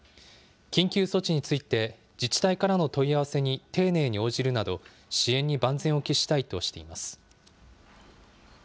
緊急措置について、自治体からの問い合わせに丁寧に応じるなど、支援に万全を期したいとしています。